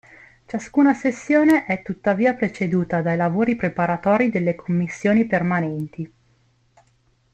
Ciascuna sessione è tuttavia preceduta dai lavori preparatori delle commissioni permanenti.